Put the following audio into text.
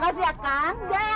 guaized pak s